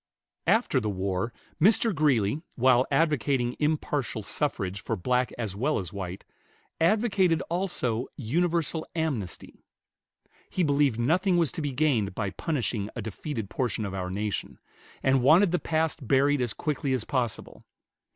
After the war Mr. Greeley, while advocating "impartial suffrage" for black as well as white, advocated also "universal amnesty." He believed nothing was to be gained by punishing a defeated portion of our nation, and wanted the past buried as quickly as possible.